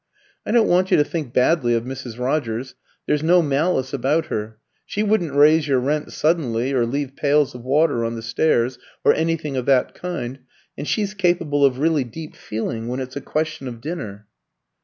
I don't want you to think badly of Mrs. Rogers: there's no malice about her; she wouldn't raise your rent suddenly, or leave pails of water on the stairs, or anything of that kind, and she's capable of really deep feeling when it's a question of dinner."